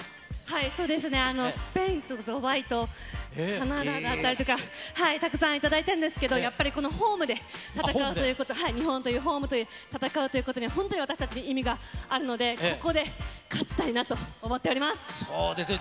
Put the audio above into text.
そうですね、スペインとドバイとカナダだったりとか、たくさん頂いているんですけど、やっぱりこのホームで闘うということ、日本というホームで闘うということに、本当に私たちに意味があるので、ここで勝ちたいなと思っておりまそうですね。